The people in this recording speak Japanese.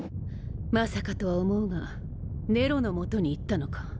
まさかとは思うがネロの下に行ったのか。